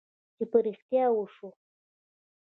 چې په رښتیا وشوه.